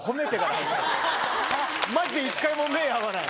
マジで一回も目合わない。